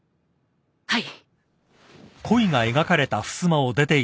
はい！